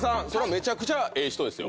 めちゃくちゃええ人ですよ。